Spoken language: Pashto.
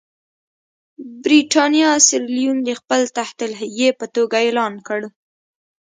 برېټانیا سیریلیون د خپل تحت الحیې په توګه اعلان کړ.